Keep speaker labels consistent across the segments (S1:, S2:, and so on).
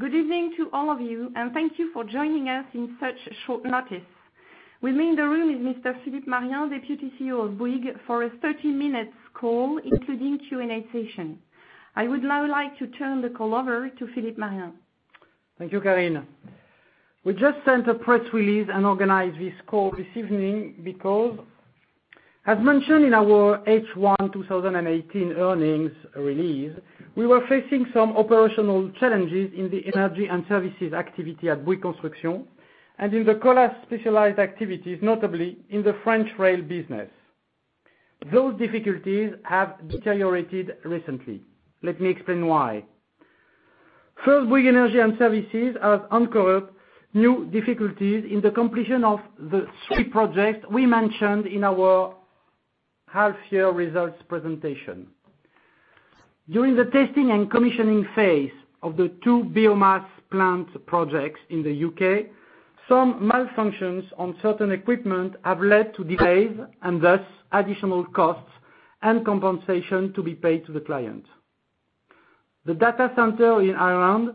S1: Good evening to all of you, thank you for joining us in such short notice. With me in the room is Mr. Philippe Marien, Deputy CEO of Bouygues, for a 30-minute call, including Q&A session. I would now like to turn the call over to Philippe Marien.
S2: Thank you, Carine. We just sent a press release and organized this call this evening because, as mentioned in our H1 2018 earnings release, we were facing some operational challenges in the energy and services activity at Bouygues Construction, and in the Colas specialized activities, notably in the French rail business. Those difficulties have deteriorated recently. Let me explain why. First, Bouygues Energies & Services has incurred new difficulties in the completion of the three projects we mentioned in our half-year results presentation. During the testing and commissioning phase of the two biomass plant projects in the U.K., some malfunctions on certain equipment have led to delays and thus additional costs and compensation to be paid to the client. The data center in Ireland,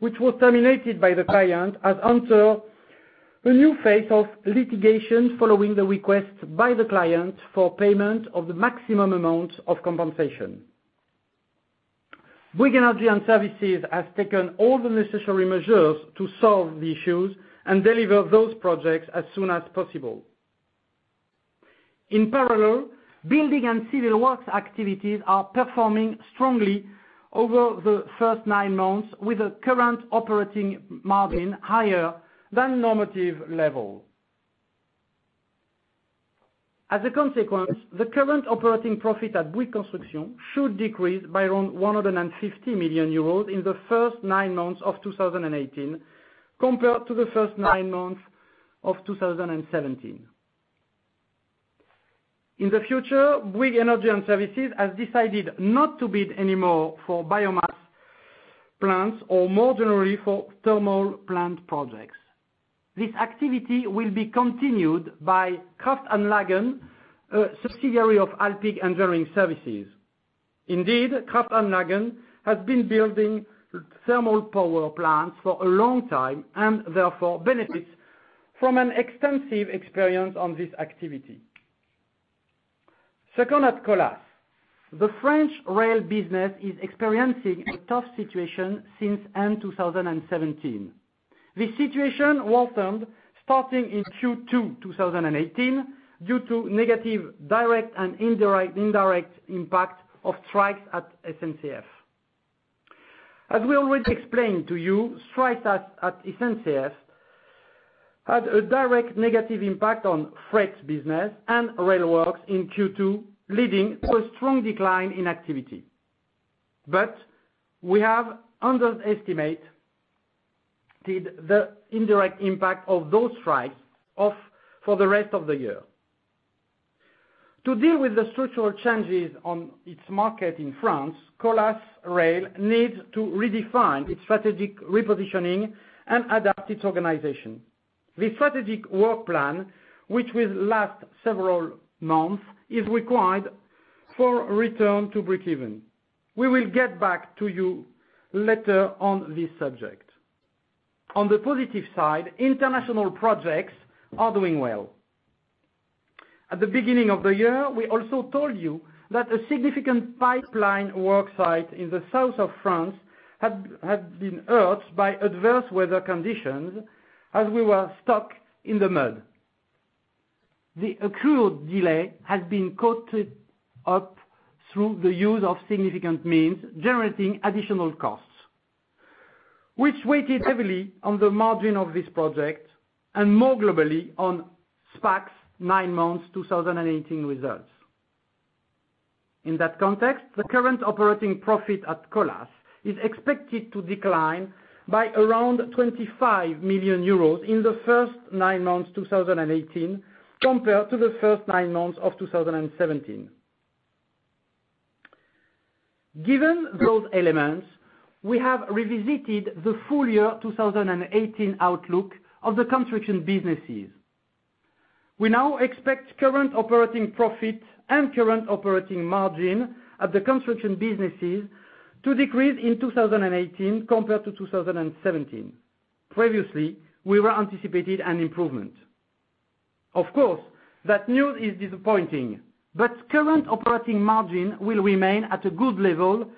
S2: which was terminated by the client, has entered a new phase of litigation following the request by the client for payment of the maximum amount of compensation. Bouygues Energies & Services has taken all the necessary measures to solve the issues and deliver those projects as soon as possible. In parallel, building and civil works activities are performing strongly over the first nine months, with the current operating margin higher than normative level. The current operating profit at Bouygues Construction should decrease by around 150 million euros in the first nine months of 2018 compared to the first nine months of 2017. The future, Bouygues Energies & Services has decided not to bid anymore for biomass plants or more generally for thermal plant projects. This activity will be continued by Kraftanlagen, a subsidiary of Alpiq Engineering Services. Kraftanlagen has been building thermal power plants for a long time and therefore benefits from an extensive experience on this activity. At Colas, the French rail business is experiencing a tough situation since end 2017. The situation worsened starting in Q2 2018 due to negative direct and indirect impact of strikes at SNCF. We already explained to you, strikes at SNCF had a direct negative impact on freight business and rail works in Q2, leading to a strong decline in activity. We have underestimated the indirect impact of those strikes for the rest of the year. To deal with the structural changes on its market in France, Colas Rail needs to redefine its strategic repositioning and adapt its organization. The strategic work plan, which will last several months, is required for return to breakeven. We will get back to you later on this subject. On the positive side, international projects are doing well. At the beginning of the year, we also told you that a significant pipeline work site in the south of France had been hurt by adverse weather conditions as we were stuck in the mud. The accrued delay has been caught up through the use of significant means, generating additional costs, which weighted heavily on the margin of this project and more globally on Spac's nine months 2018 results. In that context, the current operating profit at Colas is expected to decline by around 25 million euros in the first nine months 2018, compared to the first nine months of 2017. Given those elements, we have revisited the full-year 2018 outlook of the construction businesses. We now expect current operating profit and current operating margin at the construction businesses to decrease in 2018 compared to 2017. Previously, we were anticipating an improvement. Of course, that news is disappointing, but current operating margin will remain at a good level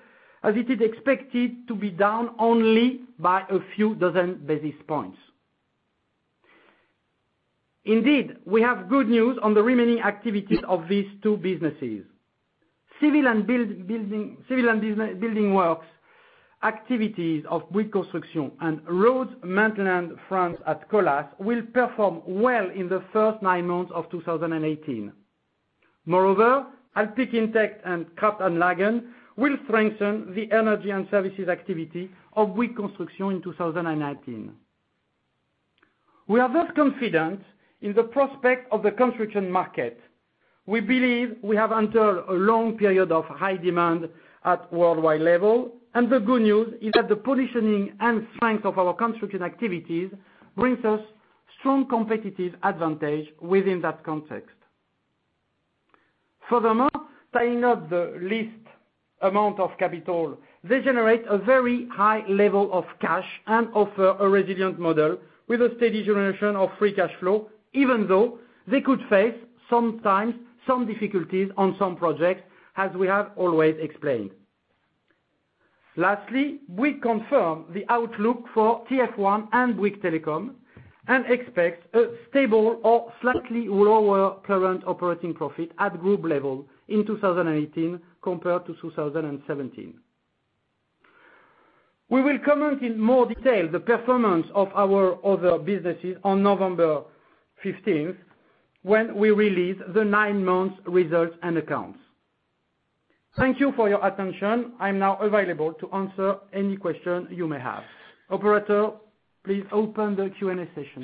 S2: as it is expected to be down only by a few dozen basis points. Indeed, we have good news on the remaining activities of these two businesses. Civil and building works activities of Bouygues Construction and road maintenance France at Colas will perform well in the first nine months of 2018. Moreover, Alpiq InTec and Kraftanlagen will strengthen the energy and services activity of Bouygues Construction in 2019. We are thus confident in the prospect of the construction market. We believe we have entered a long period of high demand at worldwide level, and the good news is that the positioning and strength of our construction activities brings us strong competitive advantage within that context. Furthermore, tying up the least amount of capital, they generate a very high level of cash and offer a resilient model with a steady generation of free cash flow, even though they could face sometimes some difficulties on some projects, as we have always explained. Lastly, we confirm the outlook for TF1 and Bouygues Telecom, and expect a stable or slightly lower current operating profit at group level in 2018 compared to 2017. We will comment in more detail the performance of our other businesses on November 15th, when we release the nine months results and accounts. Thank you for your attention. I am now available to answer any question you may have. Operator, please open the Q&A session.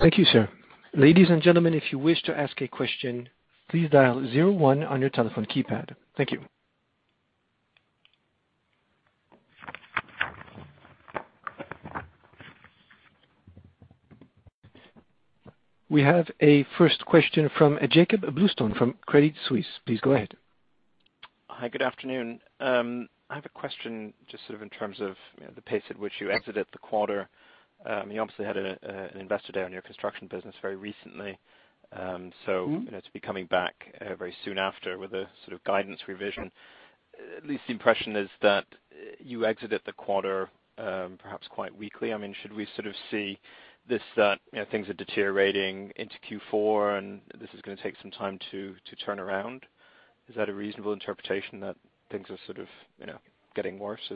S3: Thank you, sir. Ladies and gentlemen, if you wish to ask a question, please dial 01 on your telephone keypad. Thank you. We have a first question from Jakob Bluestone from Credit Suisse. Please go ahead.
S4: Hi, good afternoon. I have a question just sort of in terms of the pace at which you exited the quarter. You obviously had an investor day on your construction business very recently. To be coming back very soon after with a sort of guidance revision, at least the impression is that you exited the quarter, perhaps quite weakly. Should we sort of see this that things are deteriorating into Q4 and this is going to take some time to turn around? Is that a reasonable interpretation that things are sort of getting worse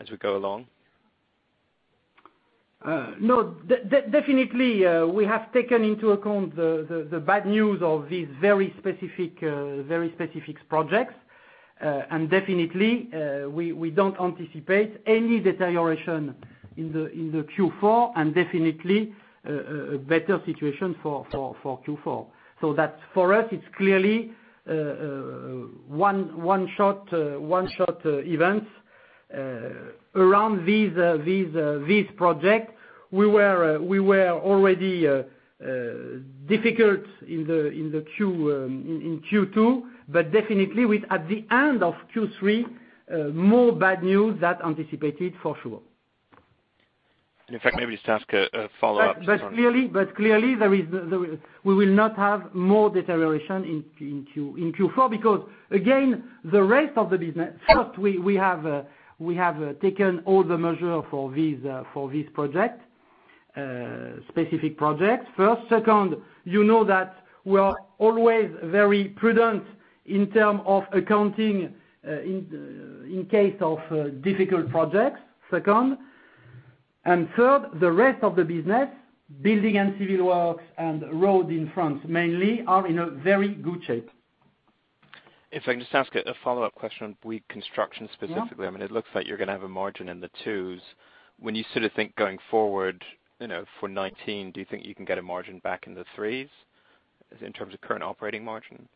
S4: as we go along?
S2: No. Definitely, we have taken into account the bad news of these very specific projects. Definitely, we don't anticipate any deterioration in the Q4 and definitely a better situation for Q4. That for us, it's clearly one-shot events around this project. We were already difficult in Q2, definitely at the end of Q3, more bad news that anticipated for sure.
S4: In fact, maybe just to ask a follow-up-
S2: Clearly, we will not have more deterioration in Q4 because, again, the rest of the business, first, we have taken all the measure for this project, specific projects. First, second, you know that we are always very prudent in term of accounting, in case of difficult projects, second. Third, the rest of the business, building and civil works and road in France mainly, are in a very good shape.
S4: If I can just ask a follow-up question on Bouygues Construction specifically.
S2: Yeah.
S4: It looks like you're going to have a margin in the twos. When you sort of think going forward, for 2019, do you think you can get a margin back in the threes in terms of current operating margin?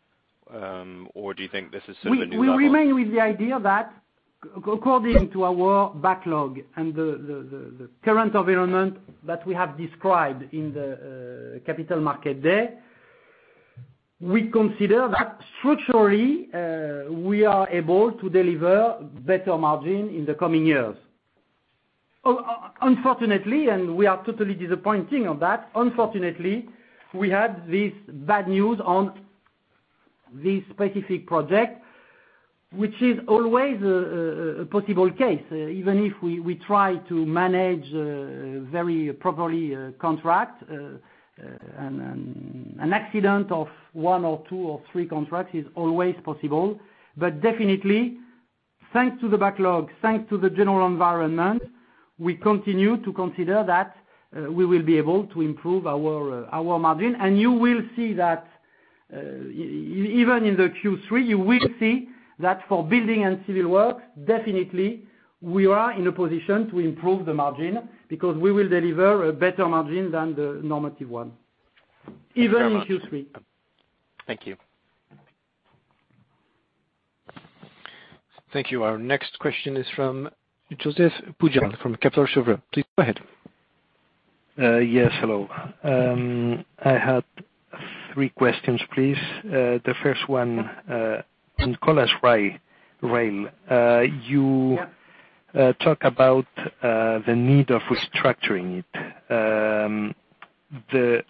S4: Do you think this is sort of the new level?
S2: We remain with the idea that according to our backlog and the current environment that we have described in the Capital Market Day, we consider that structurally, we are able to deliver better margin in the coming years. Unfortunately, and we are totally disappointing on that, unfortunately, we had this bad news on this specific project, which is always a possible case, even if we try to manage very properly contract, and an accident of one or two or three contracts is always possible. Definitely, thanks to the backlog, thanks to the general environment, we continue to consider that we will be able to improve our margin. You will see that even in the Q3, you will see that for building and civil works, definitely, we are in a position to improve the margin because we will deliver a better margin than the normative one, even in Q3.
S4: Thank you.
S3: Thank you. Our next question is from Joseph Poujan from Capital Sovereign. Please go ahead.
S5: Yes, hello. I had three questions, please. The first one, on Colas Rail, you talk about the need of restructuring it.
S2: Yeah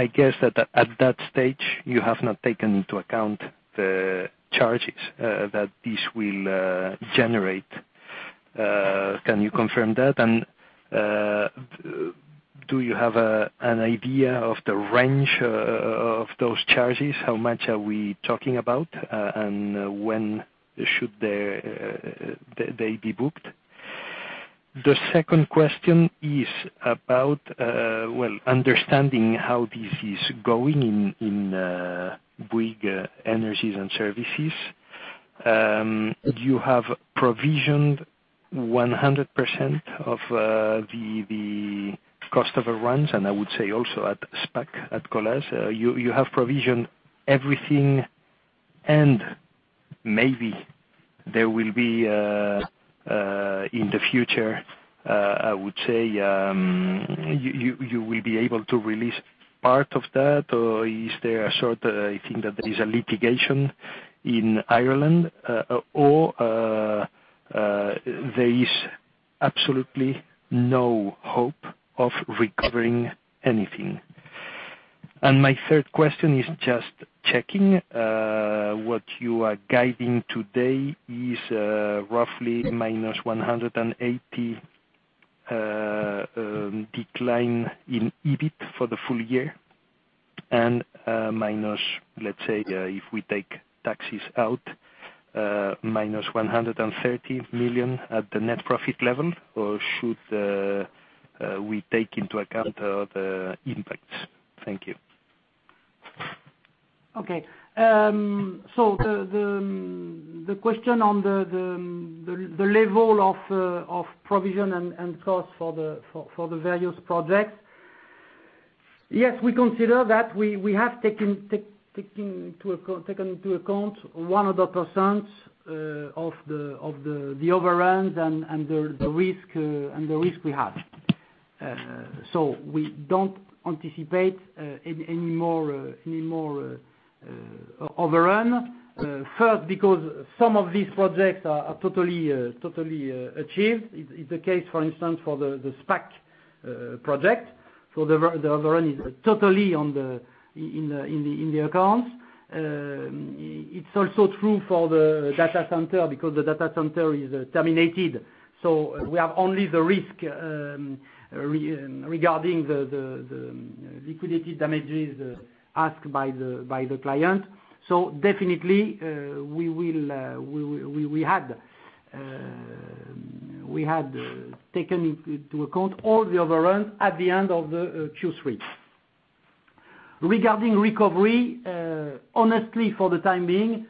S5: I guess at that stage, you have not taken into account the charges that this will generate. Can you confirm that? Do you have an idea of the range of those charges? How much are we talking about? When should they be booked? The second question is about, well, understanding how this is going in Bouygues Energies & Services. You have provisioned 100% of the cost overruns, and I would say also at Spac, at Colas. You have provisioned everything. Maybe there will be, in the future, I would say, you will be able to release part of that or is there a sort, I think that there is a litigation in Ireland, or there is absolutely no hope of recovering anything? My third question is just checking, what you are guiding today is roughly -180 decline in EBIT for the full year and minus, let's say, if we take taxes out, -130 million at the net profit level, or should we take into account the impacts? Thank you.
S2: Okay. The question on the level of provision and cost for the various projects. Yes, we consider that. We have taken into account 100% of the overruns and the risk we have. We don't anticipate any more overrun. First, because some of these projects are totally achieved. It's the case, for instance, for the Spac project. The overrun is totally in the accounts. It's also true for the data center, because the data center is terminated. We have only the risk regarding the liquidated damages asked by the client. Definitely, we had taken into account all the overrun at the end of the Q3. Regarding recovery, honestly, for the time being,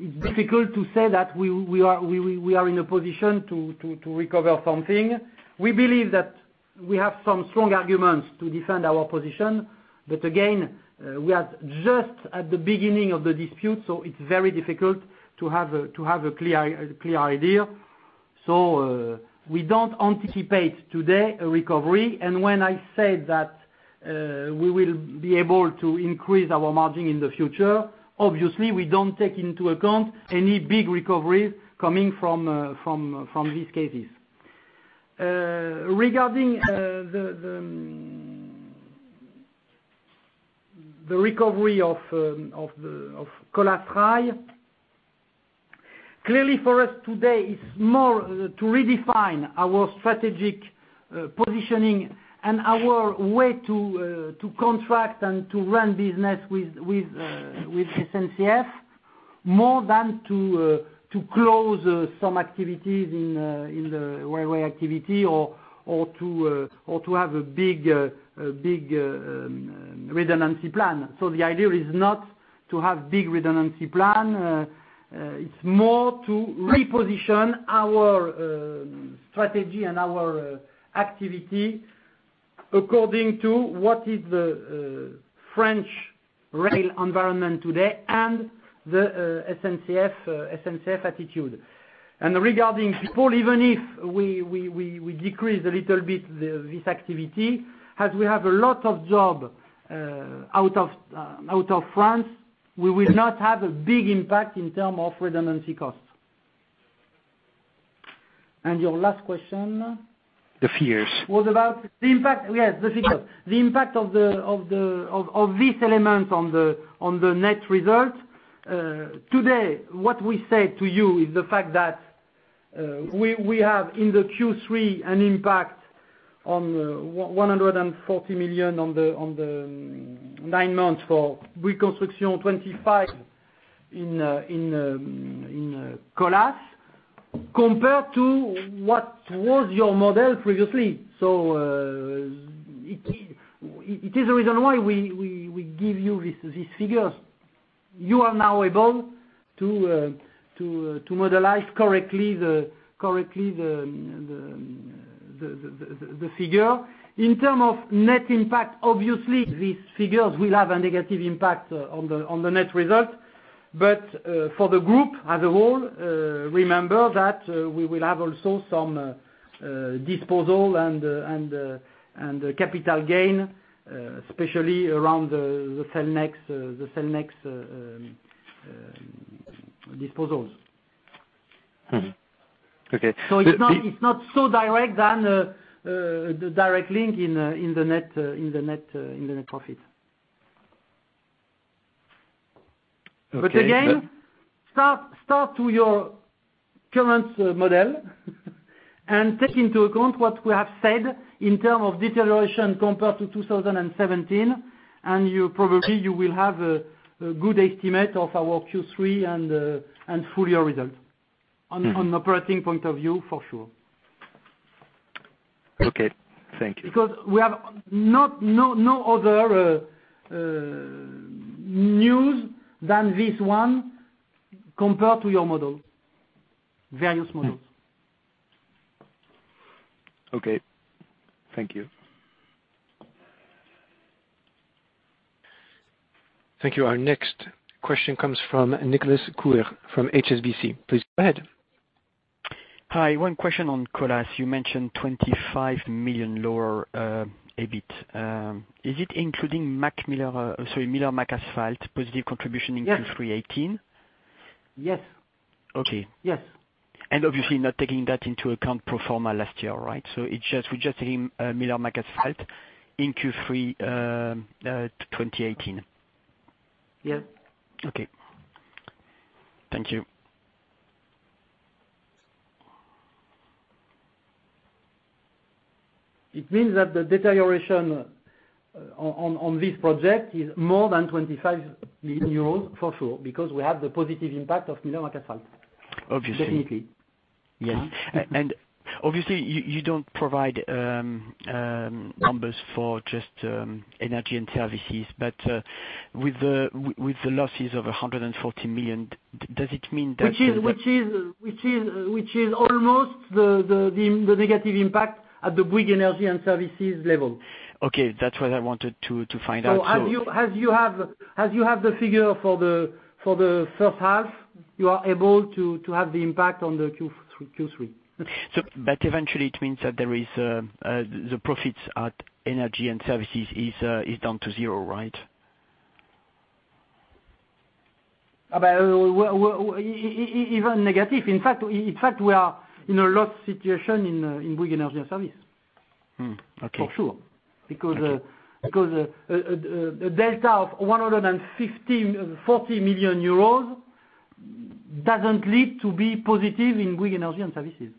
S2: it's difficult to say that we are in a position to recover something. We believe that we have some strong arguments to defend our position. Again, we are just at the beginning of the dispute, it's very difficult to have a clear idea. We don't anticipate today a recovery. When I said that we will be able to increase our margin in the future, obviously, we don't take into account any big recoveries coming from these cases. Regarding the recovery of Colas Rail, clearly for us today it's more to redefine our strategic positioning and our way to contract and to run business with SNCF more than to close some activities in the railway activity or to have a big redundancy plan. The idea is not to have big redundancy plan. It's more to reposition our strategy and our activity according to what is the French rail environment today and the SNCF attitude. Regarding people, even if we decrease a little bit this activity, as we have a lot of job out of France, we will not have a big impact in term of redundancy costs. Your last question-
S5: The fears
S2: was about the impact. Yes, the figures. The impact of this element on the net results. Today, what we say to you is the fact that we have, in the Q3, an impact on 140 million on the nine months for Bouygues Construction, 25 in Colas, compared to what was your model previously. It is the reason why we give you these figures. You are now able to model it correctly, the figure. In terms of net impact, obviously, these figures will have a negative impact on the net result. For the group as a whole, remember that we will have also some disposal and capital gain, especially around the Cellnex disposals.
S5: Okay.
S2: It's not so direct than the direct link in the net profit.
S5: Okay.
S2: Again, start to your current model and take into account what we have said in terms of deterioration compared to 2017, and probably you will have a good estimate of our Q3 and full year result. On operating point of view, for sure.
S5: Okay. Thank you.
S2: We have no other news than this one compared to your models, various models.
S3: Okay. Thank you. Thank you. Our next question comes from Nicolas Cuyar from HSBC. Please go ahead.
S6: Hi. One question on Colas. You mentioned 25 million lower EBIT. Is it including Miller McAsphalt positive contribution-
S2: Yes
S6: in Q3 2018?
S2: Yes.
S6: Okay.
S2: Yes.
S6: Obviously not taking that into account pro forma last year, right? We're just taking Miller McAsphalt in Q3 2018.
S2: Yes.
S6: Okay. Thank you.
S2: It means that the deterioration on this project is more than 25 million euros for sure, because we have the positive impact of Miller McAsphalt.
S6: Obviously.
S2: Definitely.
S6: Yes. Obviously you don't provide numbers for just Energy and Services. With the losses of 140 million, does it mean that?
S2: Which is almost the negative impact at the Bouygues Energies & Services level.
S6: Okay. That's what I wanted to find out.
S2: As you have the figure for the first half, you are able to have the impact on the Q3.
S6: Eventually it means that the profits at Energy and Services is down to zero, right?
S2: Even negative. In fact, we are in a loss situation in Bouygues Energies & Services.
S6: Okay.
S2: For sure.
S6: Okay.
S2: A delta of 140 million euros doesn't lead to be positive in Bouygues Energies & Services.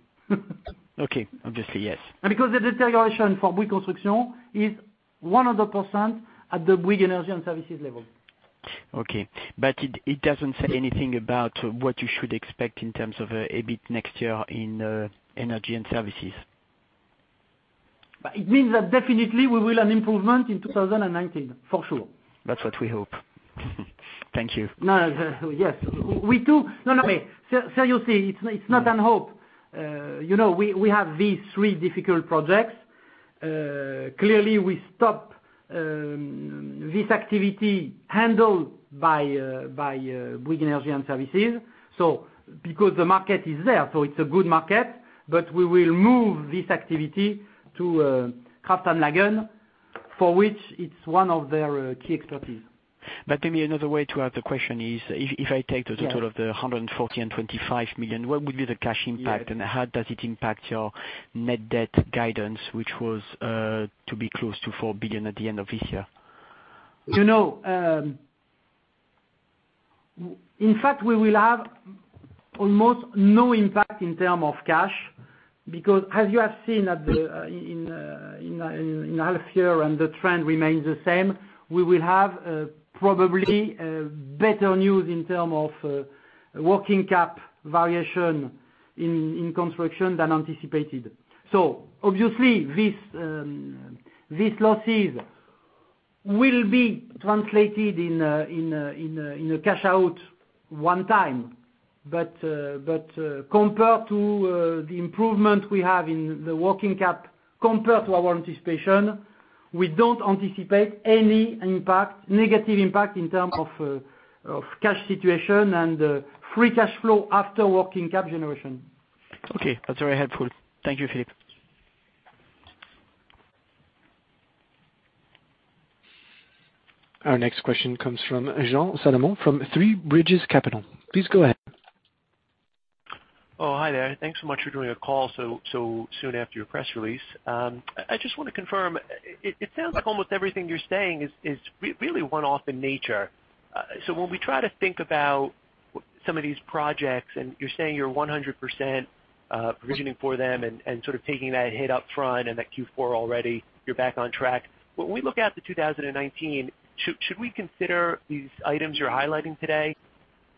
S6: Okay. Obviously, yes.
S2: The deterioration for Bouygues Construction is 100% at the Bouygues Energies & Services level.
S6: Okay. It doesn't say anything about what you should expect in terms of EBIT next year in energy and services.
S2: It means that definitely we will have improvement in 2019, for sure.
S6: That's what we hope. Thank you.
S2: Yes. We do. No. Seriously, it's not on hope. We have these three difficult projects. Clearly, we stop this activity handled by Bouygues Energies & Services. The market is there, so it's a good market, but we will move this activity to Kraftanlagen, for which it's one of their key expertise.
S6: To me, another way to ask the question is, if I take the total of the 140 and 25 million, what would be the cash impact, and how does it impact your net debt guidance, which was to be close to 4 billion at the end of this year?
S2: We will have almost no impact in term of cash, because as you have seen in half year, and the trend remains the same, we will have probably better news in term of working capital variation in construction than anticipated. Obviously, these losses will be translated in a cash out one time. Compared to the improvement we have in the working capital, compared to our anticipation, we don't anticipate any negative impact in term of cash situation and free cash flow after working capital generation.
S6: That's very helpful. Thank you, Philippe.
S3: Our next question comes from Jean Salomon from Three Bridges Capital. Please go ahead.
S7: Oh, hi there. Thanks so much for doing a call so soon after your press release. I just want to confirm, it sounds like almost everything you're saying is really one-off in nature. When we try to think about some of these projects, and you're saying you're 100% provisioning for them, and sort of taking that hit up front and at Q4 already, you're back on track. When we look out to 2019, should we consider these items you're highlighting today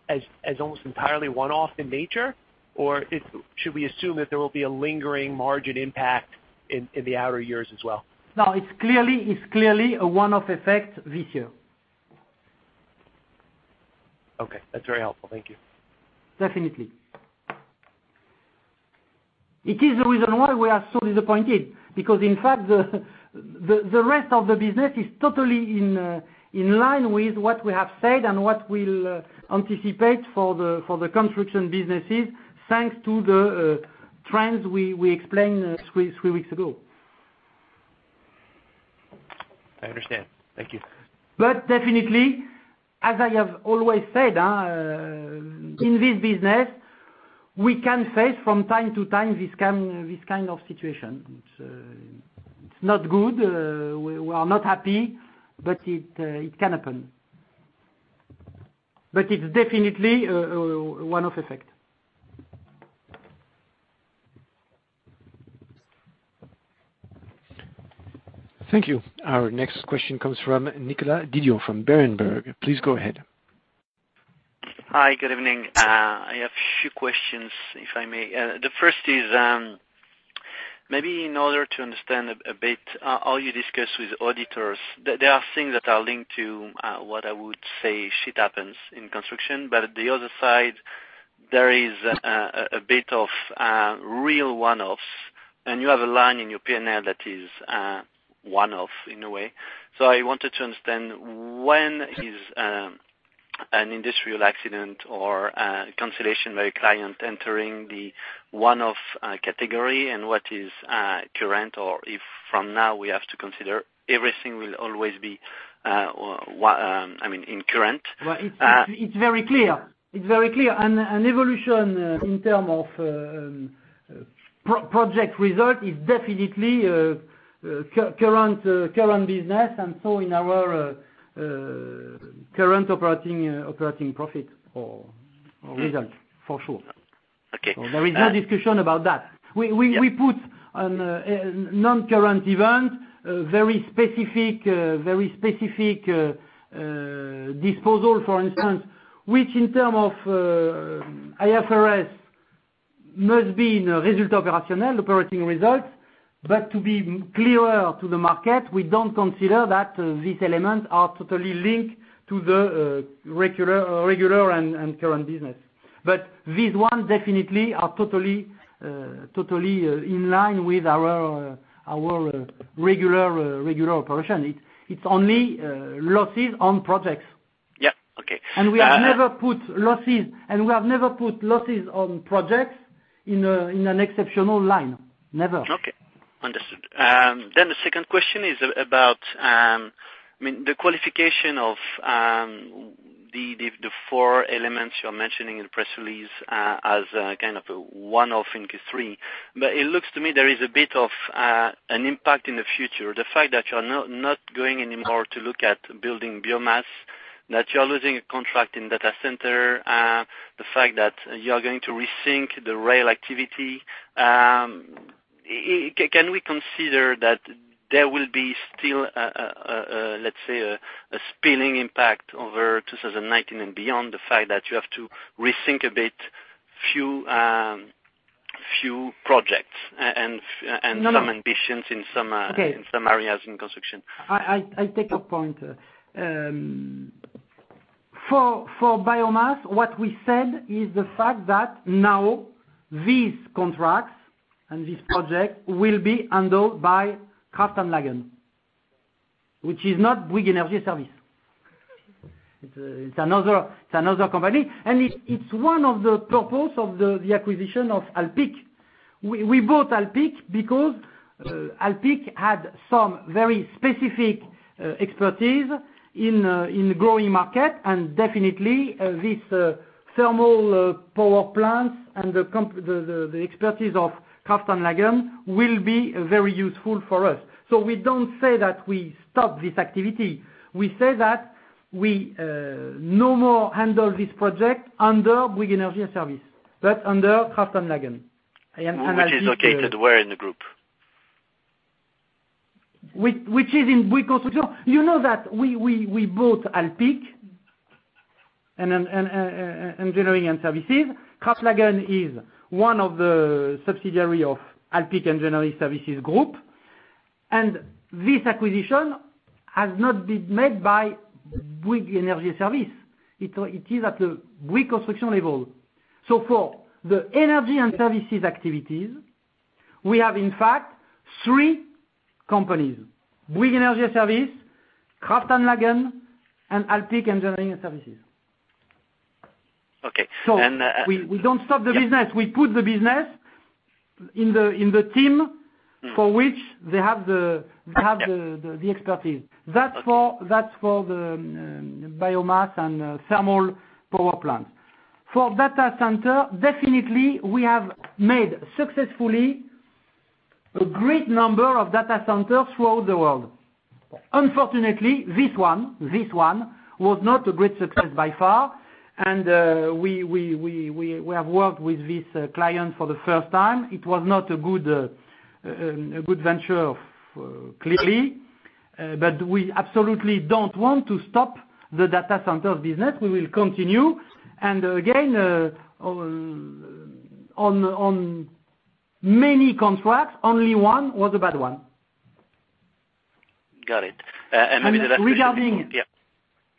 S7: as almost entirely one-off in nature? Or should we assume that there will be a lingering margin impact in the outer years as well?
S2: No, it's clearly a one-off effect this year.
S7: Okay. That's very helpful. Thank you.
S2: Definitely. It is the reason why we are so disappointed, because in fact, the rest of the business is totally in line with what we have said and what we'll anticipate for the construction businesses, thanks to the trends we explained three weeks ago.
S7: I understand. Thank you.
S2: Definitely, as I have always said, in this business, we can face from time to time this kind of situation. It is not good. We are not happy. It can happen. It is definitely a one-off effect.
S3: Thank you. Our next question comes from Nicolas Didio from Berenberg. Please go ahead.
S8: Hi. Good evening. I have a few questions, if I may. The first is, maybe in order to understand a bit how you discuss with auditors, there are things that are linked to what I would say, shit happens in construction. The other side there is a bit of real one-offs, and you have a line in your P&L that is one-off in a way. I wanted to understand when is an industrial accident or a cancellation by a client entering the one-off category and what is current, or if from now we have to consider everything will always be in current.
S2: Well, it's very clear. Evolution in terms of project results is definitely current business, so in our current operating profit or result, for sure.
S8: Okay.
S2: There is no discussion about that. We put on a non-current event, a very specific disposal, for instance, which in terms of IFRS must be in résultat opérationnel, operating results. To be clearer to the market, we don't consider that these elements are totally linked to the regular and current business. This one definitely are totally in line with our regular operation. It's only losses on projects.
S8: Yeah. Okay.
S2: We have never put losses on projects in an exceptional line. Never.
S8: Okay. Understood. The second question is about the qualification of the four elements you're mentioning in the press release, as kind of a one-off in Q3. It looks to me there is a bit of an impact in the future. The fact that you're not going anymore to look at building biomass, that you're losing a contract in data center, the fact that you're going to rethink the rail activity. Can we consider that there will be still, let's say, a spilling impact over 2019 and beyond the fact that you have to rethink a bit few projects and some ambitions in some areas in construction?
S2: I take your point. For biomass, what we said is the fact that now these contracts and this project will be handled by Kraftanlagen, which is not Bouygues Energies & Services. It's another company, and it's one of the purpose of the acquisition of Alpiq. We bought Alpiq because Alpiq had some very specific expertise in growing market, and definitely this thermal power plant and the expertise of Kraftanlagen will be very useful for us. We don't say that we stop this activity. We say that we no more handle this project under Bouygues Energies & Services, but under Kraftanlagen.
S8: Which is located where in the group?
S2: Which is in Bouygues Construction. You know that we bought Alpiq Engineering & Services. Kraftanlagen is one of the subsidiary of Alpiq Engineering Services group. This acquisition has not been made by Bouygues Energies & Services. It is at the Bouygues Construction level. For the energy and services activities, we have in fact three companies, Bouygues Energies & Services, Kraftanlagen, and Alpiq Engineering Services.
S8: Okay.
S2: We don't stop the business. We put the business in the team for which they have the expertise. That's for the biomass and thermal power plant. For data center, definitely we have made successfully a great number of data centers throughout the world. Unfortunately, this one was not a great success by far, and we have worked with this client for the first time. It was not a good venture, clearly. We absolutely don't want to stop the data center business. We will continue. Again, on many contracts, only one was a bad one.
S8: Got it. Maybe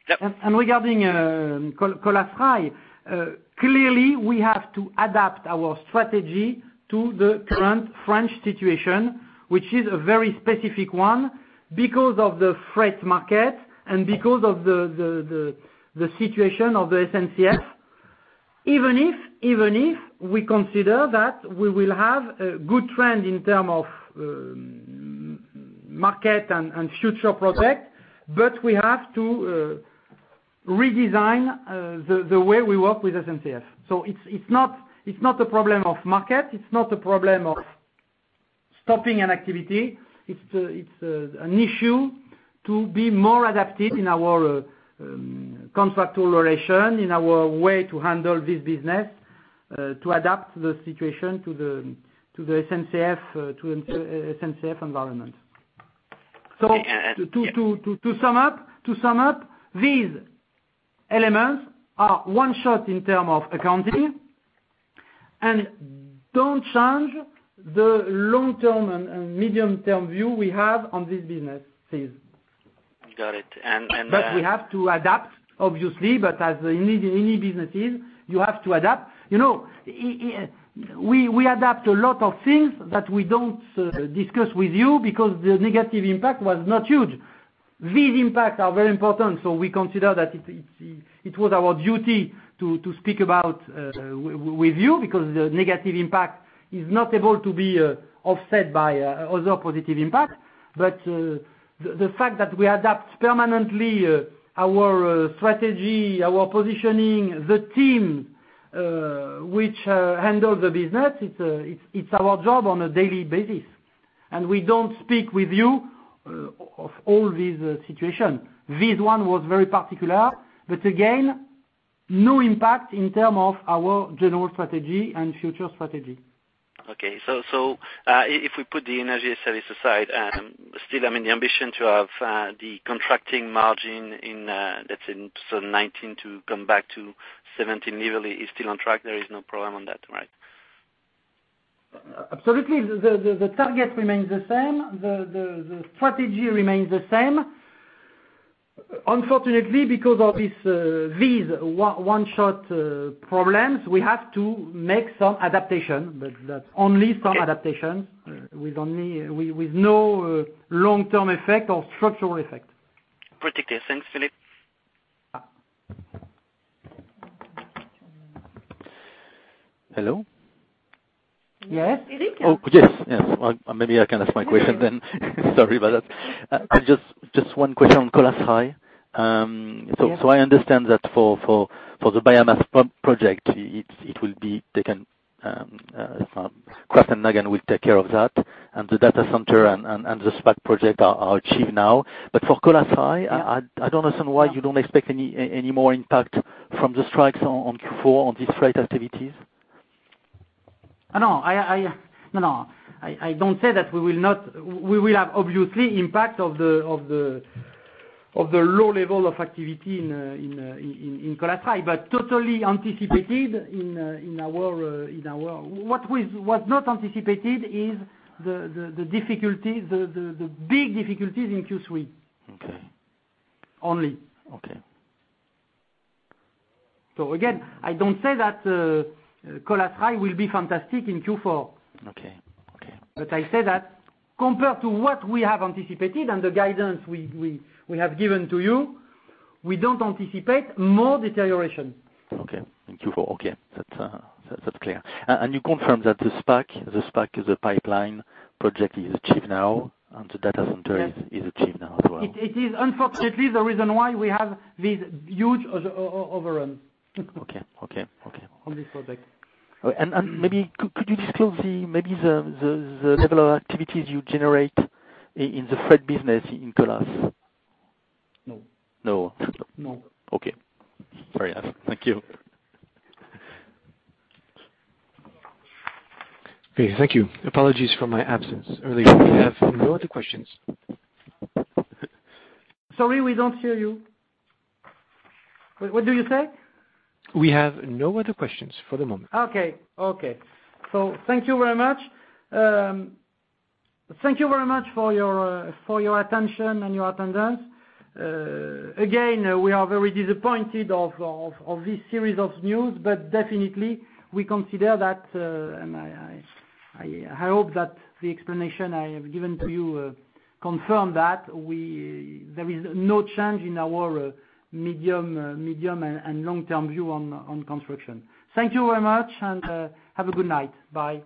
S8: the last-
S2: Regarding Colas Rail, clearly, we have to adapt our strategy to the current French situation, which is a very specific one because of the freight market and because of the situation of the SNCF. Even if we consider that we will have a good trend in term of market and future project, we have to redesign the way we work with SNCF. It's not a problem of market, it's not a problem of stopping an activity. It's an issue to be more adapted in our contractual relation, in our way to handle this business, to adapt the situation to the SNCF environment. To sum up, these elements are one shot in term of accounting and don't change the long-term and medium-term view we have on these businesses.
S8: Got it.
S2: We have to adapt, obviously, but as in any business, you have to adapt. We adapt a lot of things that we don't discuss with you because the negative impact was not huge. These impacts are very important, we consider that it was our duty to speak about with you, because the negative impact is not able to be offset by other positive impact. The fact that we adapt permanently our strategy, our positioning, the team which handles the business, it's our job on a daily basis. We don't speak with you of all these situation. This one was very particular, but again, no impact in terms of our general strategy and future strategy.
S8: Okay. If we put the energy service aside, still the ambition to have the contracting margin that's in sort of 2019 to come back to 2017 level is still on track. There is no problem on that, right?
S2: Absolutely. The target remains the same. The strategy remains the same. Unfortunately, because of these one-shot problems, we have to make some adaptation, but that's only some adaptations with no long-term effect or structural effect.
S8: Got it. Thanks, Philippe.
S9: Hello?
S2: Yes.
S9: Philippe? Oh, yes. Maybe I can ask my question then. Sorry about that. Just one question on Colas Rail. I understand that for the biomass project, Kraftanlagen will take care of that, and the data center and the SPAC project are achieved now. For Colas Rail, I don't understand why you don't expect any more impact from the strikes on Q4 on these freight activities.
S2: No. I don't say that we will have obviously impact of the low level of activity in Colas Rail, but totally anticipated in our What was not anticipated is the big difficulties in Q3.
S9: Okay.
S2: Only.
S9: Okay.
S2: Again, I don't say that Colas Rail will be fantastic in Q4.
S9: Okay.
S2: I say that compared to what we have anticipated and the guidance we have given to you, we don't anticipate more deterioration.
S9: Okay. Thank you for Okay. That's clear. You confirm that the SPAC is a pipeline project, is achieved now, and the data center-
S2: Yes
S9: is achieved now as well.
S2: It is unfortunately the reason why we have this huge overrun.
S9: Okay.
S2: On this project.
S9: Could you disclose the level of activities you generate in the freight business in Colas?
S2: No.
S9: No?
S2: No.
S9: Okay. Sorry. Thank you.
S3: Okay. Thank you. Apologies for my absence earlier. We have no other questions.
S2: Sorry, we don't hear you. What do you say?
S3: We have no other questions for the moment.
S2: Okay. Thank you very much. Thank you very much for your attention and your attendance. Again, we are very disappointed of this series of news, but definitely we consider that, and I hope that the explanation I have given to you confirm that, there is no change in our medium and long-term view on construction. Thank you very much, and have a good night. Bye.